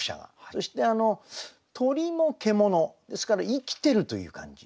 そして「鳥も獣」ですから生きているという感じ。